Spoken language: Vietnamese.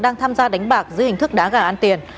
đang tham gia đánh bạc dưới hình thức đá gà ăn tiền